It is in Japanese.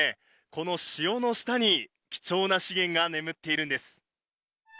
この塩の下に貴重な資源が眠っているんです。